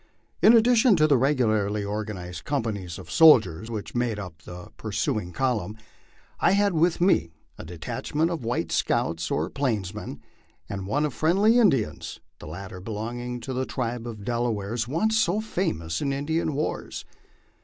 In addition to the regularly organ ized companies of soldiers which made up the pursuing column, I had with me a detachment of white scouts or Plainsmen, and one of friendly Indians, the latter belonging to the tribe of Delawares, once so famous in Indian wars.